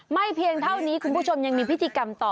เพียงเท่านี้คุณผู้ชมยังมีพิธีกรรมต่อ